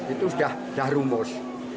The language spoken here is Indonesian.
itu sudah rumus